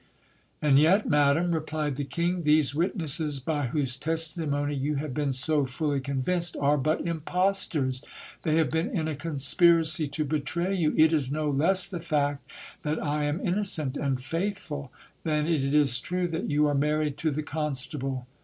And yet, madam, replied the king, these witnesses by whose testimony you have been so fully convinced, are but impostors. They have been in a conspiracy to betray you. It is no less the fact that I am innocent and faithful, than it is true that you are married to the constable.